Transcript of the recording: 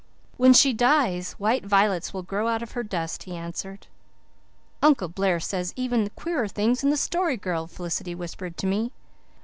"When she dies white violets will grow out of her dust," he answered. "Uncle Blair says even queerer things than the Story Girl," Felicity whispered to me.